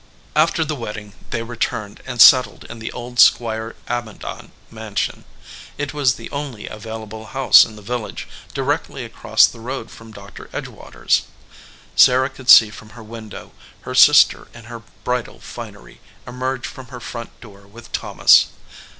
After the wedding they returned and settled in the old Squire Amidon mansion. It was the only available house in the village, directly across the road from Doctor Edgewater s. Sarah could see from her window her sister in her bridal finery emerge from her front door with Thomas.